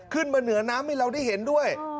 เหนือน้ำให้เราได้เห็นด้วย